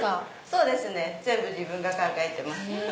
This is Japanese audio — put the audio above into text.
そうですね全部自分が考えてます。